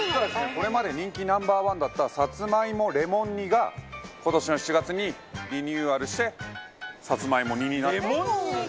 これまで人気Ｎｏ．１だったさつまいもレモン煮が今年の７月にリニューアルしてさつまいも煮になった。